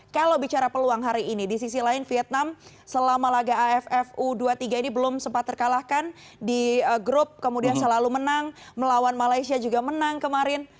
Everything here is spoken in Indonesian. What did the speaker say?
kalau bicara peluang hari ini di sisi lain vietnam selama laga aff u dua puluh tiga ini belum sempat terkalahkan di grup kemudian selalu menang melawan malaysia juga menang kemarin